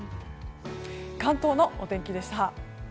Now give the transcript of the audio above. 関東のお天気でした。